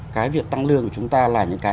cái việc tăng lương của chúng ta là những cái